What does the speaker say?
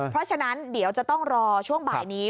เพราะฉะนั้นเดี๋ยวจะต้องรอช่วงบ่ายนี้